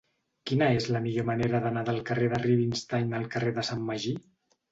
Quina és la millor manera d'anar del carrer de Rubinstein al carrer de Sant Magí?